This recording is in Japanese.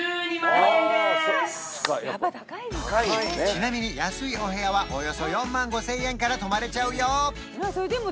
ちなみに安いお部屋はおよそ４万５０００円から泊まれちゃうよ！